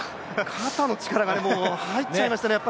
肩の力が入っちゃいましたね。